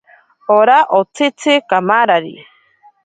Ora otsitzi kamarari.